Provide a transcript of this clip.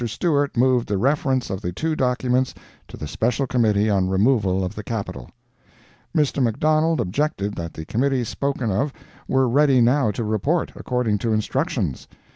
Stewart moved the reference of the two documents to the Special Committee on removal of the Capital. Mr. McDonald objected that the Committee spoken of were ready now to report, according to instructions.